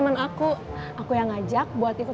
bapak mau pabrik